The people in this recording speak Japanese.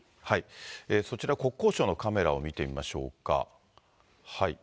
そちら、国交省のカメラを見てみましょうか。